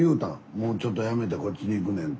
もうちょっとやめてこっちにいくねんと。